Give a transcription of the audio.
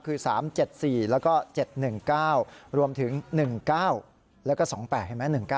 คือ๓๗๔แล้วก็๗๑๙รวมถึง๑๙แล้วก็๒๘เห็นไหม